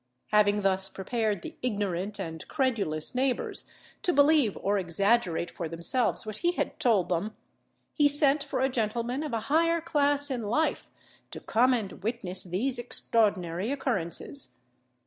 Having thus prepared the ignorant and credulous neighbours to believe or exaggerate for themselves what he had told them, he sent for a gentleman of a higher class in life, to come and witness these extraordinary occurrences.